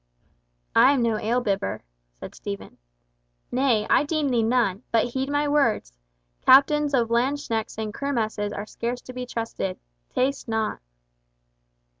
"I am no ale bibber," said Stephen. "Nay, I deemed thee none—but heed my words—captains of landsknechts in kermesses are scarce to be trusted. Taste not."